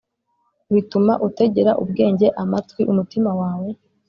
Bituma utegera ubwenge amatwi Umutima wawe